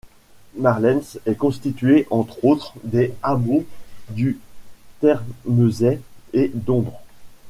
Marlens est constitué, entre autres, des hameaux du Thermesay et d'Ombre.